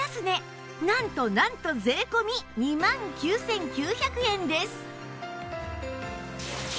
なんとなんと税込２万９９００円です